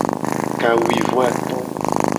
Kawuivoato.